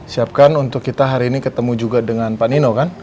siapkan untuk kita hari ini ketemu juga dengan pak nino kan